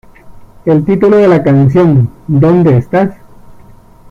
El título de la canción "¿Dónde estás?